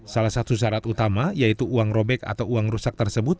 salah satu syarat utama yaitu uang robek atau uang rusak tersebut